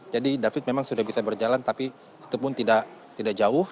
jadi david memang sudah bisa berjalan tapi itu pun tidak jauh